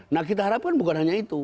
nah kita harapkan bukan hanya itu